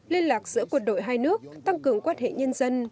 liên lạc giữa quân đội hai nước tăng cường quan hệ nhân dân